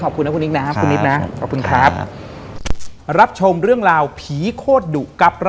ขอบคุณนะคุณนิบนะครับ